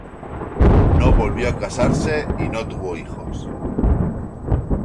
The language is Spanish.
No volvió a casarse y no tuvo hijos.